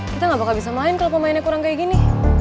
kita gak bakal bisa main kalau pemainnya kurang kayak gini